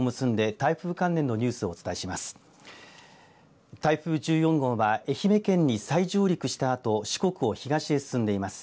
台風１４号は愛媛県に再上陸したあと四国を東に進んでいます。